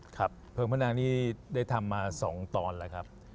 เพลิงพระนางนี้ได้ทำมา๒ตอนแล้วครับ